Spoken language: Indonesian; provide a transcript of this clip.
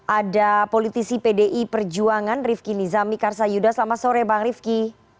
ada politisi pdi perjuangan rifki nizami karsayuda selamat sore bang rifki